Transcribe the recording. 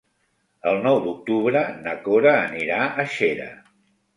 El nou d'octubre na Cora anirà a Xera.